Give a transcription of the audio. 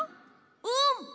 うん！